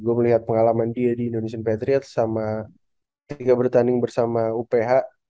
gue melihat pengalaman dia di indonesian patriots sama ketika bertanding bersama uph